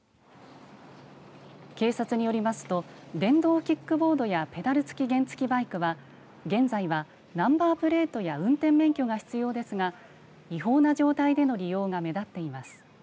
警察によりますと電動キックボードやペダル付き原付バイクは現在はナンバープレートや運転免許が必要ですが違法な状態での利用が目立っています。